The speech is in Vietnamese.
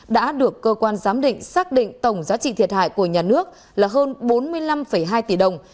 đã được cơ quan giám định xác định tổng giá trị thiệt hại của nhà nước là hơn bốn mươi năm hai tỷ đồng